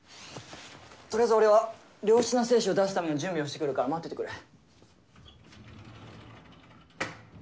とりあえず俺は良質な精子を出すための準備をしてくるから待っててくれ。